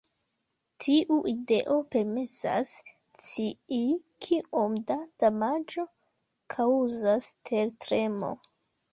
Tiu ideo permesas scii kiom da damaĝo kaŭzas tertremo.